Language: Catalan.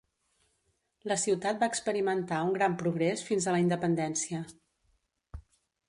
La ciutat va experimentar un gran progrés fins a la independència.